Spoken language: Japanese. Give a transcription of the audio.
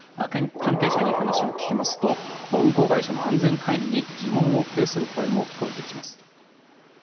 関係者に話を聞きますと運航会社の安全管理に疑問を呈する声も聞こえてきます。